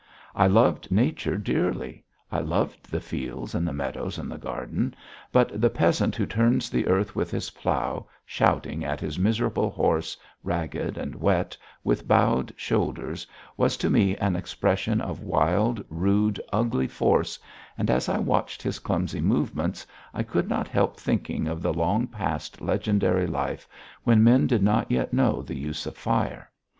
I loved nature dearly; I loved the fields and the meadows and the garden, but the peasant who turns the earth with his plough, shouting at his miserable horse, ragged and wet, with bowed shoulders, was to me an expression of wild, rude, ugly force, and as I watched his clumsy movements I could not help thinking of the long passed legendary life, when men did not yet know the use of fire.